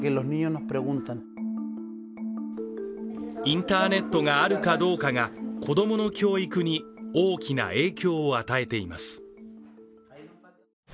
インターネットがあるかどうかが子供の教育に大きな影響を与えています。